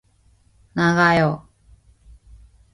나가요!